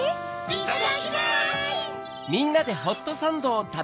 いただきます！